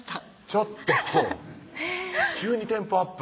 ちょっと急にテンポアップ